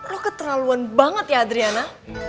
lo keterlaluan banget ya adriana